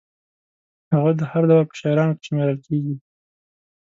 هغه د هر دور په شاعرانو کې شمېرل کېږي.